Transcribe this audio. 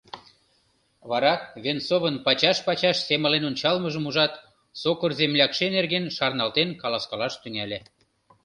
Вара Венцовын пачаш-пачаш семален ончалмыжым ужат, сокыр землякше нерген шарналтен каласкалаш тӱҥале.